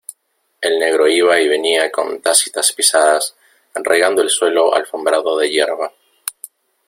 el negro iba y venía con tácitas pisadas, regando el suelo alfombrado de yerba.